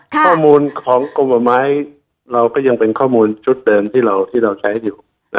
ข้อมูลของกรมป่าไม้เราก็ยังเป็นข้อมูลชุดเดิมที่เราใช้อยู่